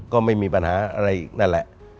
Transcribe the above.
ก็ไม่มีปัญหาอะไรอีกนั่นแหละ